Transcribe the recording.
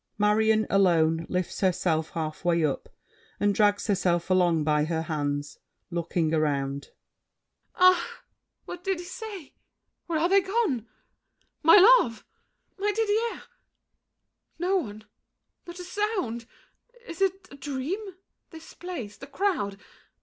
MARION (alone, lifts herself half way up, and drags herself along by her hands: looking around.) Ah! What did he say? Where are they gone? My love! My Didier! No one! Not a sound! Is it A dream—this place? the crowd?